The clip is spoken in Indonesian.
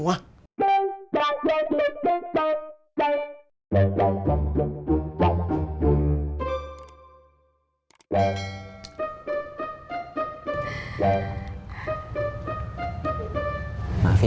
udah kok nye demonstrasi